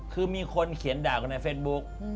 คือมีคนเขียนด่ากันในเฟซบุ๊ก